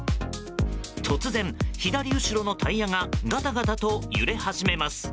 突然、左後ろのタイヤがガタガタと揺れ始めます。